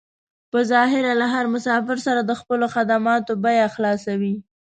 په ظاهره له هر مسافر سره د خپلو خدماتو بيه خلاصوي.